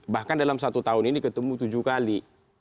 bahkan dalam satu tahun ini ketemu tujuh kali